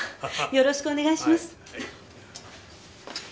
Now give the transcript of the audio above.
よろしくお願いします。